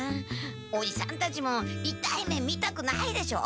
おじさんたちもいたい目みたくないでしょ？